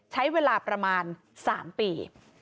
ใช้เวลาประมาณ๓ปี